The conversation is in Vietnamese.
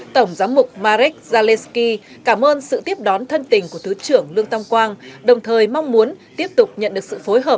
tổng giám mục marek zaleski cảm ơn sự tiếp đón thân tình của thứ trưởng lương tam quang đồng thời mong muốn tiếp tục nhận được sự phối hợp